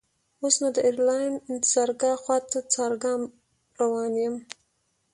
اوس نو د ایرلاین انتظارګاه خواته چارګام روان یم.